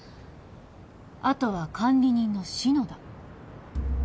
あとは管理人の篠田。